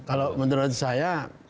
kalau menurut saya